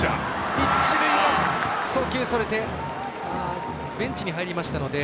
一塁は送球それてベンチに入りましたので